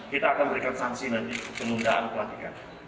kita akan memberikan sanksi nanti kemundaan pelanggaran